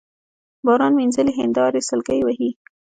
باران مينځلي هينداري سلګۍ وهي